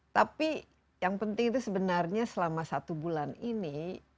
tapi yang penting itu sebenarnya selama satu bulan ini